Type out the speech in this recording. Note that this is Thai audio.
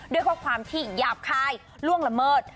ด้วยข้อความที่หยาบคายล่วงละเมิด